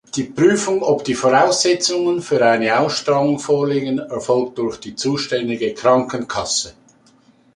Die Prüfung, ob die Voraussetzungen für eine Ausstrahlung vorliegen, erfolgt durch die zuständige Krankenkasse.